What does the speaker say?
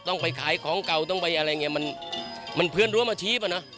ต้องไปขายของเก่าต้องไปอะไรอย่างนี้